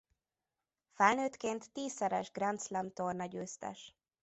Felnőttként tízszeres Grand Slam-tornagyőztes.